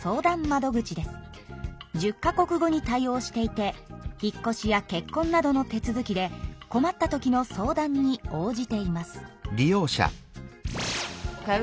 １０か国語に対応していてひっこしやけっこんなどの手続きでこまった時の相談に応じています。